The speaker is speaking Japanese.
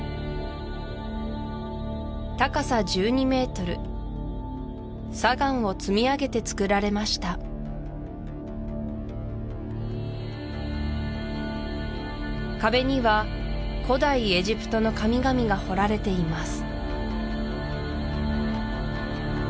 高さ１２ｍ砂岩を積み上げてつくられました壁には古代エジプトの神々が彫られています